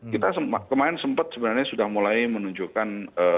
kita kemarin sempat sebenarnya sudah mulai menunjukkan